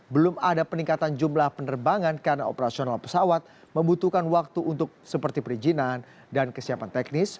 belum ada peningkatan jumlah penerbangan karena operasional pesawat membutuhkan waktu untuk seperti perizinan dan kesiapan teknis